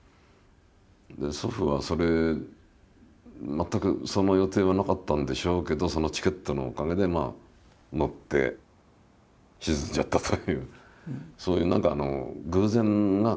で祖父はそれ全くその予定はなかったんでしょうけどそのチケットのおかげで乗って沈んじゃったという。